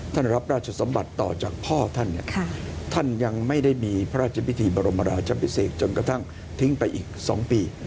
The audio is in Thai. ท่านรับราชสมบัติต่อจากพ่อท่านเนี่ยท่านท่านยังไม่ได้มีพระราชพิธีบรมราชาพิเศษจนกระทั่งทิ้งไปอีก๒ปี